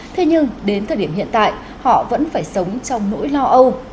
thế nhưng đến thời điểm hiện tại họ vẫn phải sống trong nỗi lo âu